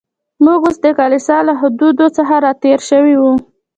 موږ اوس د کلیسا له حدودو څخه را تېر شوي و.